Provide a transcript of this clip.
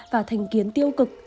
và thành kiến tiêu cực